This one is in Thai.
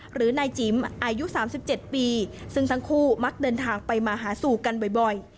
หรือนายจิ๋มอายุสามสิบเจ็ดปีซึ่งทั้งคู่มักเดินทางไปมาหาสู่กันบ่อยบ่อย